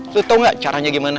terus tau gak caranya gimana